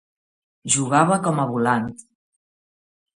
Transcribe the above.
Jugava com a volant.